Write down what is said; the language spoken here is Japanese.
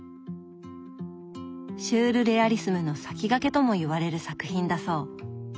シュールレアリスムの先駆けともいわれる作品だそう。